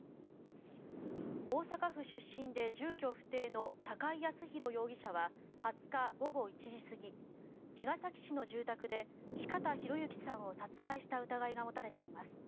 大阪府出身で住居不定の高井靖弘容疑者は２０日午後１時過ぎ茅ヶ崎市の住宅で四方洋行さんを殺害した疑いが持たれています。